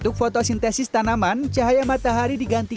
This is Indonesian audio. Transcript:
kita bisa memprediksi